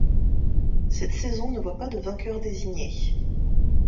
Cette saison ne voit pas de vainqueur désigné.